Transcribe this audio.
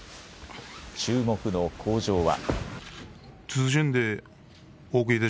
注目の口上は。